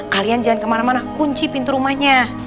kalian jangan kemana mana kunci pintu rumahnya